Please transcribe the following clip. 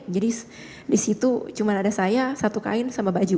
jadi di situ cuma ada saya satu kain sama baju